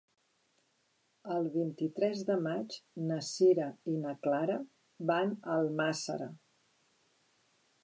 El vint-i-tres de maig na Sira i na Clara van a Almàssera.